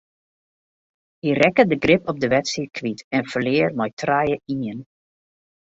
Hy rekke de grip op de wedstryd kwyt en ferlear mei trije ien.